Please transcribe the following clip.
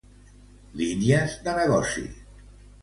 Línies de negoci.